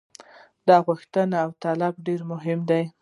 دا غوښتنه او طلب ډېر مهم دی.